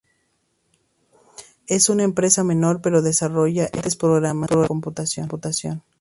Es una empresa menor, pero desarrolla eficientes programas de computación.